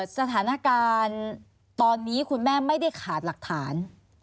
สถานการณ์ตอนนี้คุณแม่ไม่ได้ขาดหลักฐาน